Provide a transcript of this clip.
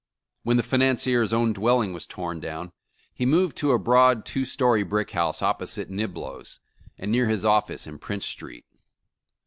When the financier's own dwelling was torn down, he moved to a broad two story brick house opposite Niblo's, and near his office in Prince Street.